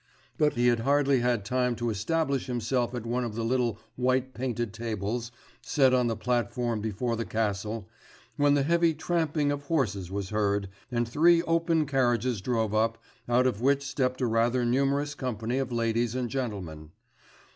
But he had hardly had time to establish himself at one of the little white painted tables set on the platform before the castle, when the heavy tramping of horses was heard, and three open carriages drove up, out of which stepped a rather numerous company of ladies and gentlemen....